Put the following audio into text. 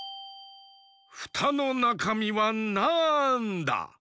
フタのなかみはなんだ？